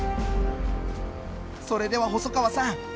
それでは細川さん